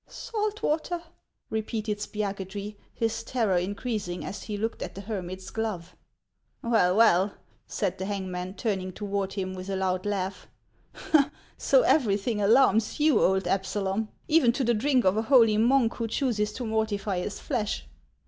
" Salt water," repeated Spiagudry, his terror increasing as he looked at the hermit's glove. " Well, well !" said the hangman, turning toward him with a loud laugh ;" so everything alarms you, old Ab salom, — even to the drink of a holy monk who chooses to mortify his flesh